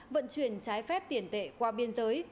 vận chuyển trái phép tiền tệ qua biên giới